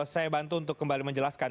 saya bantu untuk kembali menjelaskan